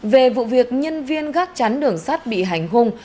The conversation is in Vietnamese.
về vụ việc nhân viên gác chán đường sát bị hành hung